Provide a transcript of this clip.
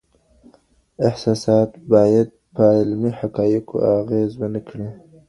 احساسات باید په علمي حقایقو اغېز ونکړي.